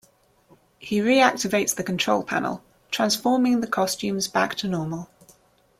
He reactivates the control panel, transforming the costumes back to normal.